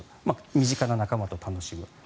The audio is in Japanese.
身近な仲間と楽しむ。